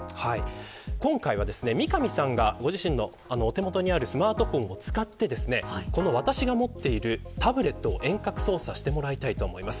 今回は三上さんがご自身のお手元にあるスマートフォンを使って私が持っているタブレットを遠隔操作してもらいたいと思います。